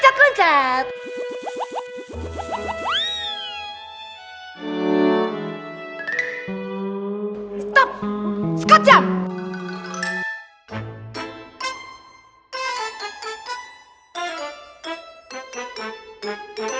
tinggalin aja kita langsung ke sultan aja